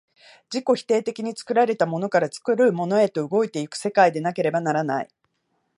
自己否定的に作られたものから作るものへと動いて行く世界でなければならない。